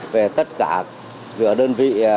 về tất cả đơn vị